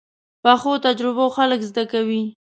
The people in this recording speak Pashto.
پخو تجربو خلک زده کوي